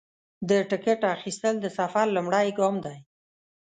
د ټکټ اخیستل د سفر لومړی ګام دی.